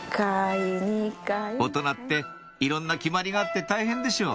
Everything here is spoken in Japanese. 大人っていろんな決まりがあって大変でしょ？